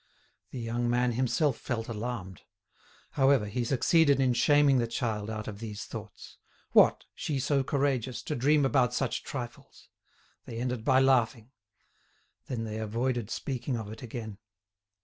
The young man himself felt alarmed. However, he succeeded in shaming the child out of these thoughts. What! she so courageous, to dream about such trifles! They ended by laughing. Then they avoided speaking of it again.